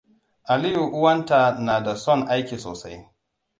Aliyu uwanta na da son aiki sosai.